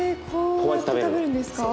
こうやって食べるんですか？